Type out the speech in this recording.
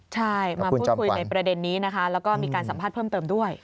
ใช่มาพูดคุยในประเด็นนี้นะคะแล้วก็มีการสัมภาษณ์เพิ่มเติมด้วย